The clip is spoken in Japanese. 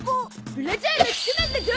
ブラジャーマスクマンだゾ！